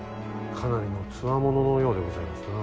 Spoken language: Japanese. かなりの強者のようでございますな。